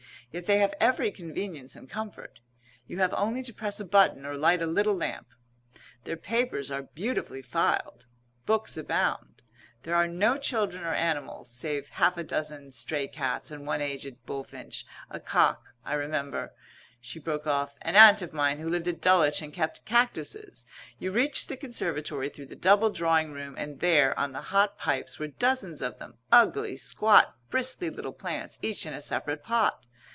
Yet they have every convenience and comfort. You have only to press a button or light a little lamp. Their papers are beautifully filed. Books abound. There are no children or animals, save half a dozen stray cats and one aged bullfinch a cock. I remember," she broke off, "an Aunt of mine who lived at Dulwich and kept cactuses. You reached the conservatory through the double drawing room, and there, on the hot pipes, were dozens of them, ugly, squat, bristly little plants each in a separate pot.